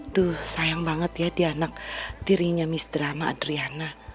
duh sayang banget ya di anak dirinya miss drama adriana